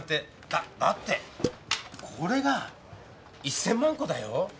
だだってこれが１千万個だよ。